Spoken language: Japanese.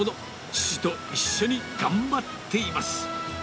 父と一緒に頑張っています。